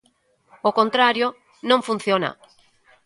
O contrario non funciona.